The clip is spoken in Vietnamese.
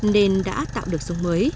nên đã tạo được sông mới